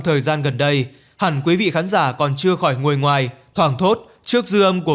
thời gian gần đây hẳn quý vị khán giả còn chưa khỏi ngồi ngoài thoảng thốt trước dư âm của